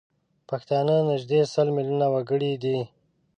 پښتانه نزدي سل میلیونه وګړي دي